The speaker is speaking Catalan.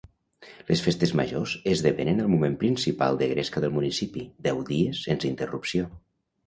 Les festes majors esdevenen el moment principal de gresca del municipi, deu dies sense interrupció.